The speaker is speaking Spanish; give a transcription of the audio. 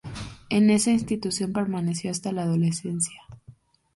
En esa institución permaneció hasta la adolescencia.